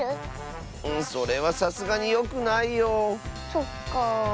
そっか。